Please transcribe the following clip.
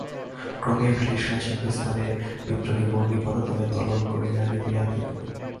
ক্রমে ব্রিটিশরাজ হিন্দুস্থানের বিদ্রোহবহ্নি পদতলে দলন করিয়া নিবাইয়া দিল।